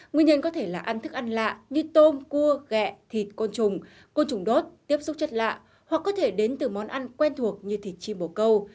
nguyên nhân có thể là ăn thức ăn lạ như tôm cua gẹ thịt côn trùng côn trùng đốt tiếp xúc chất lạ hoặc có thể đến từ món ăn quen thuộc như thịt chi bổ câu